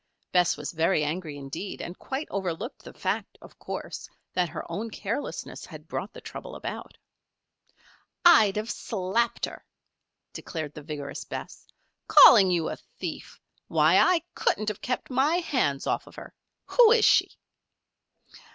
Bess was very angry indeed, and quite overlooked the fact, of course, that her own carelessness had brought the trouble about. "I'd have slapped her," declared the vigorous Bess. "Calling you a thief! Why! I couldn't have kept my hands off of her. Who is she?"